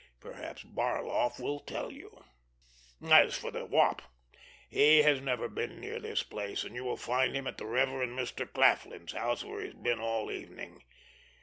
Perhaps Barloff will tell you! As for the Wop, he has never been near this place, and you will find him at the Reverend Mr. Claflin's house, where he has been all evening.